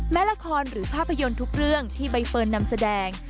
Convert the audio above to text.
ละครหรือภาพยนตร์ทุกเรื่องที่ใบเฟิร์นนำแสดง